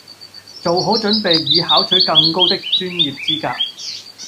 做好準備以考取更高的專業資格